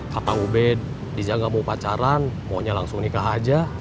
kata ubed diza gak mau pacaran maunya langsung nikah aja